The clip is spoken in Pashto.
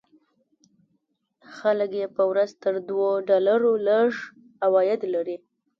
خلک یې په ورځ تر دوو ډالرو لږ عواید لري.